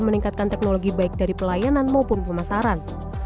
meningkatkan teknologi baik dari pelayanan maupun pemasaran